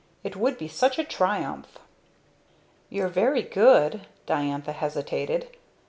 It would be such a triumph!" "You're very good " Diantha hesitated.